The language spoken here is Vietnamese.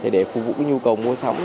để phục vụ nhu cầu mua sắm